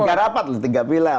tidak rapat lho tidak bilang